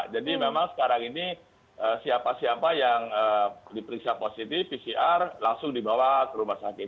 jadi memang sekarang ini siapa siapa yang diperiksa positif pcr langsung dibawa ke rumah sakit